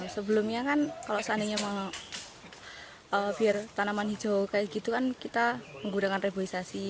sebelumnya kan kalau seandainya biar tanaman hijau kayak gitu kan kita menggunakan reboisasi